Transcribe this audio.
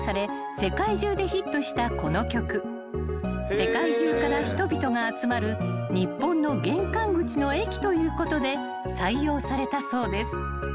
［世界中から人々が集まる日本の玄関口の駅ということで採用されたそうです］